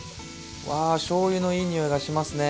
わあしょうゆのいい匂いがしますね！